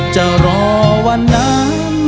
จะรอวันนั้นรอวันที่ฟันเป็นจริง